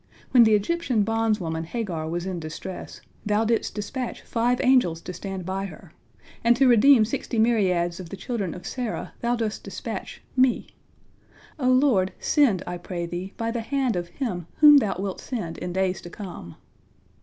When the Egyptian bondwoman Hagar was in distress, Thou didst dispatch five angels to stand by her, and to redeem sixty myriads of the children of Sarah Thou dost dispatch me. O Lord, send, I pray Thee, by the hand of him whom Thou wilt send in days to come."